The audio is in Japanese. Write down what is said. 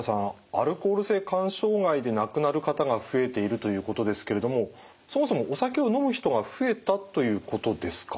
アルコール性肝障害で亡くなる方が増えているということですけれどもそもそもお酒を飲む人が増えたということですか？